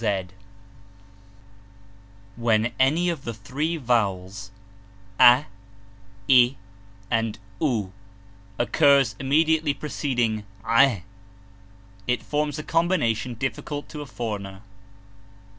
4, „» d "When any one of the three vowels a, i, and u occura immediately preceding a, it forms a combination difficult to a foreigner.